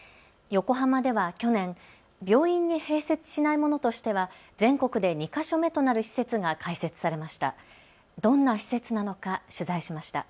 横浜では去年、病院に併設しないものとしては全国で２か所目となる施設が開設されました。